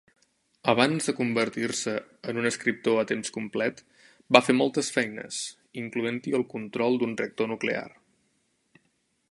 Abans de convertir-se en un escriptor a temps complet, va fer moltes feines, incloent-hi el control d'un reactor nuclear.